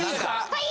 はい！